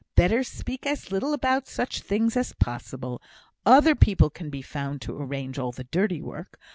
Better speak as little about such things as possible; other people can be found to arrange all the dirty work.